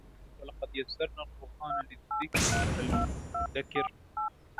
وَلَقَدْ يَسَّرْنَا الْقُرْآنَ لِلذِّكْرِ فَهَلْ مِن مُّدَّكِرٍ